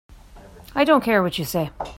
I don't care what you say.